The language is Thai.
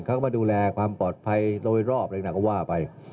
เขาก็มาดูแลความปลอดภัยโดยรอบอะไรน่ะก็ว่าไป